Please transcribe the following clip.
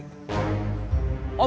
om raffi itu adalah maku